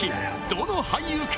どの俳優か？